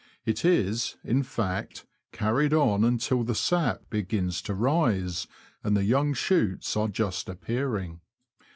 It is, in fact, carried on until the sap begins to rise, and the young shoots are just appearing.